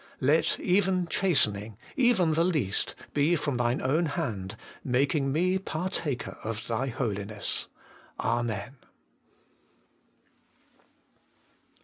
Let even chastening, even the least.be from Thine own hand, making me partaker of Thy Holiness. Amen.